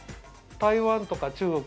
台湾とか中国。